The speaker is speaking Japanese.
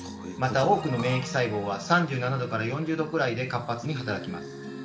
また多くの免疫細胞は３７４０℃くらいで活発に働きます。